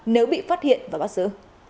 nếu bị phát hiện và bắt giữ